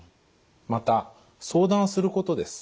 また「相談すること」です。